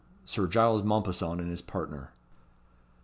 Sir Giles Mompesson and his partner.